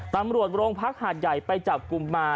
ตำรวจโรงพักหาดใหญ่ไปจับกลุ่มมา